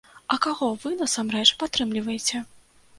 А каго вы насамрэч падтрымліваеце?